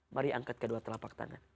mari angkat kedua telapak tangan